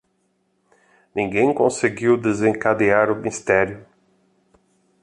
Ninguém conseguiu desencadear o mistério.